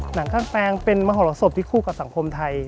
หนังกางแปงเป็นมหลักศพที่คู่กับสังคมไทย